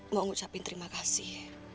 mau ngucapin terima kasih